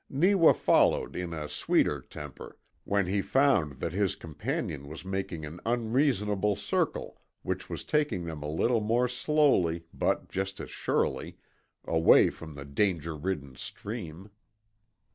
Neewa followed in a sweeter temper when he found that his companion was making an unreasonable circle which was taking them a little more slowly, but just as surely, away from the danger ridden stream.